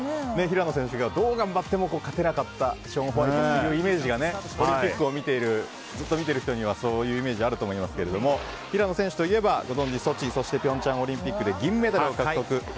平野選手がどう頑張っても勝てなかったショーン・ホワイトというイメージがね、オリンピックをずっと見ている人にはそういうイメージあると思いますが平野選手といえばご存じソチそして平昌オリンピックで銀メダルを獲得。